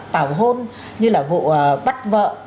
tào hôn như là vụ bắt vợ